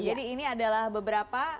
jadi ini adalah beberapa